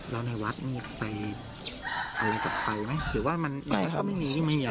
แล้วในวัดมีใครอะไรกับใครไหมหรือว่ามันไม่ไม่มีไม่มี